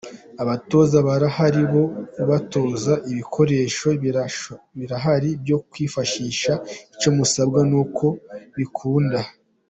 Abatoza barahari bo kubatoza, ibikoresho birahari byo kwifashisha, icyo musabwa ni ukubikunda”.